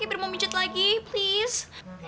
kiber mau mijet lagi please